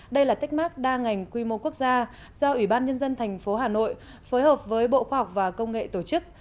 đây là techmark đa ngành quy mô quốc gia do ủy ban nhân dân thành phố hà nội phối hợp với bộ khoa học và công nghệ tổ chức